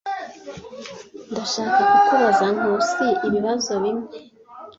Ndashaka kubaza Nkusi ibibazo bimwe.